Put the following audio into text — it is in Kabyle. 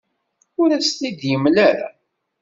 Ur as-ten-id-yemla ara.